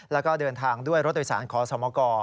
แล้วก็เดินทางด้วยรถโดยสารขอสมก